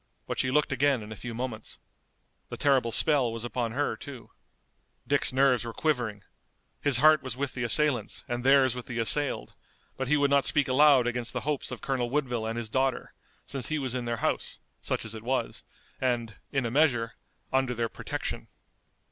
But she looked again in a few moments. The terrible spell was upon her, too. Dick's nerves were quivering. His heart was with the assailants and theirs with the assailed, but he would not speak aloud against the hopes of Colonel Woodville and his daughter, since he was in their house, such as it was, and, in a measure, under their protection.